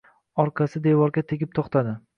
Orqasi devorga tegib to‘xtadi.